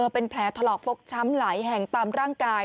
เป็นแผลถลอกฟกช้ำหลายแห่งตามร่างกาย